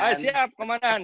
hai siap kemanahan